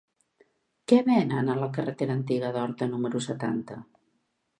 Què venen a la carretera Antiga d'Horta número setanta?